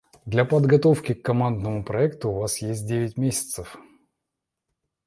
Для подготовки к командному проекту у вас есть девять месяцев.